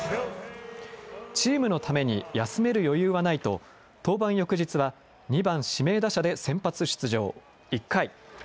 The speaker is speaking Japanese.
チームのために休める余裕はないと、登板翌日は２番指名打者で先発出場。